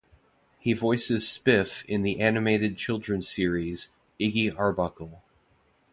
He voices Spiff in the animated children's series "Iggy Arbuckle".